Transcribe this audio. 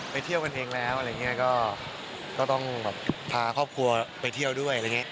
เที่ยวกันเองแล้วอะไรอย่างเงี้ยก็ต้องแบบพาครอบครัวไปเที่ยวด้วยอะไรอย่างนี้